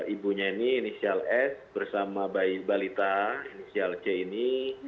ibunya ini inisial s bersama balita inisial c ini